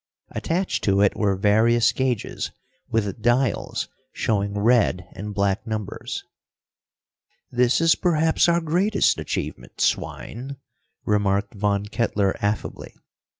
Attached to it were various gauges, with dials showing red and black numbers. "This is perhaps our greatest achievement, swine," remarked Von Kettler, affably.